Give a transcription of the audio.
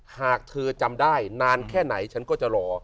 หากเธอจำได้นานแค่ไหนฉันก็จะรอ